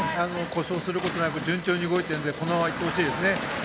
故障することなく順調に動いてるのでこのままいってほしいですね。